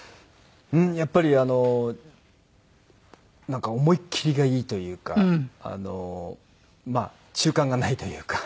やっぱりあのなんか思い切りがいいというかあのまあ中間がないというか。